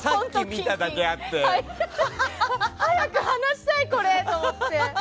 早く話したい、これ！って思って。